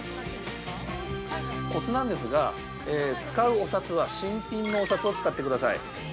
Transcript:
◆コツなんですが、使うお札は新品のお札を使ってください。